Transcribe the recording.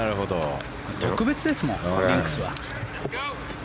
特別ですもん、リンクスは。